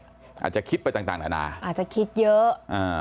อาจจะคิดไปต่างนานาอาจจะคิดเยอะ